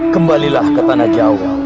kembalilah ke tanah jawa